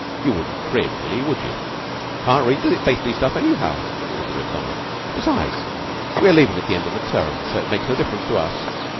You wouldn't crib, Willie, would you?" "Can't read the beastly stuff, anyhow," was the reply. "Besides, we're leavin' at the end o' the term, so it makes no difference to us."